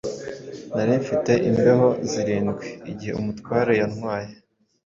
Nari mfite imbeho zirindwi-igihe umutware yantwaye